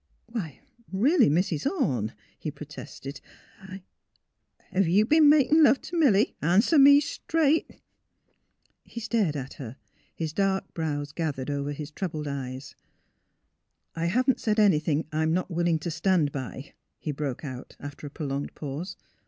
"Why — really, Mrs. Orne," he protested. i I T J >" Hev' you b'en makin' love t' Milly? Answer me, straight !'' He stared at her, his dark brows gathered over troubled eyes. '^ I haven't said anything I'm not willing to stand by, '' he broke out, after a prolonged pause.